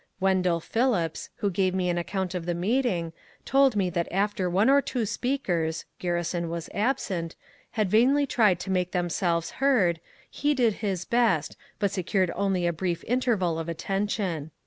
Wendell Phillips, who gave me an account of the meeting, told me that after one or two speakers (Garrison was absent) had vainly tried to make themselves heard, he did his best, but secured only a brief interval of attention.